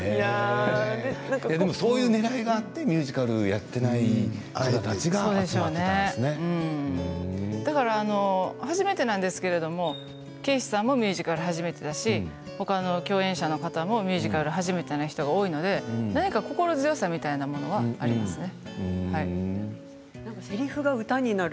そういうねらいがあってミュージカルをやっていない初めてなんですけれども圭史さんもミュージカル初めてだしほかの共演者の方もミュージカル初めての人が多いので心強さみたいなものがありますね。